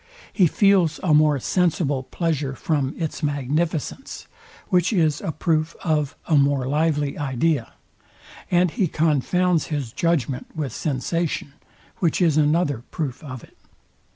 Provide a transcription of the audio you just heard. He feels a more sensible pleasure from its magnificence; which is a proof of a more lively idea: And he confounds his judgment with sensation, which is another proof of it.